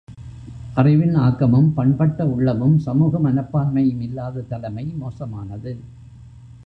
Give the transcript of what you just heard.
அறிவின் ஆக்கமும் பண்பட்ட உள்ளமும் சமூக மனப்பான்மையும் இல்லாத தலைமை மோசமானது.